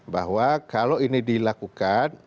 bahwa kalau ini dilakukan